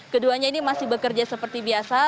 keduanya ini masih bekerja seperti biasa